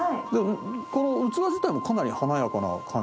この器自体もかなり華やかな感じが。